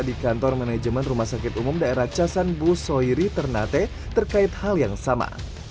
di kantor manajemen rumah sakit umum daerah casanbu soiri ternate terkait hal yang sama